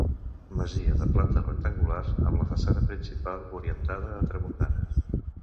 Masia de planta rectangular amb la façana principal orientada a tramuntana.